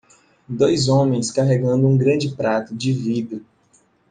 Dois homens carregando um grande prato de vidro.